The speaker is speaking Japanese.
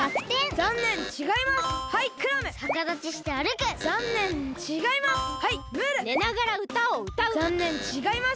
ざんねんちがいます！